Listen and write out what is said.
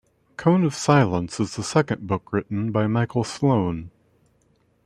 "Cone of Silence" is the second book written by Michael Sloan.